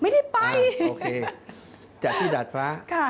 ไม่ได้ไปโอเคจัดที่ดาดฟ้าค่ะ